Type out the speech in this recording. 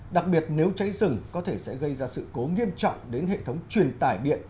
đặc biệt nếu cháy rừng có thể sẽ gây ra sự cố nghiêm trọng đến hệ thống truyền tải điện